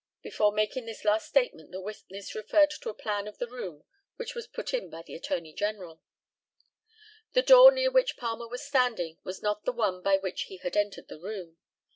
[Before making this last statement the witness referred to a plan of the room which was put in by the Attorney General.] The door near which Palmer was standing was not the one by which he had entered the room.